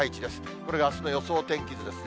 これがあすの予想天気図ですね。